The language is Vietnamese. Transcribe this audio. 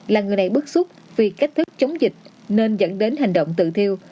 là người này bức xúc vì cách thức chống dịch nên dẫn đến hành động tự thiêu